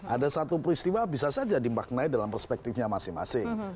ada satu peristiwa bisa saja dimaknai dalam perspektifnya masing masing